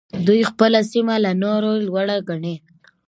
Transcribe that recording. دوی خپله سيمه له نورو لوړه ګڼي.